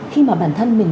khi mà bản thân mình